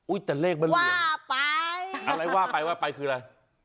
อุ๊ยแต่เลขมันเหลือว่าไปอะไรว่าไปว่าไปคืออะไร